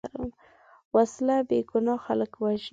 وسله بېګناه خلک وژني